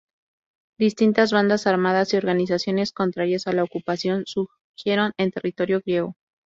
Distintas bandas armadas y organizaciones contrarias a la ocupación surgieron en territorio griego.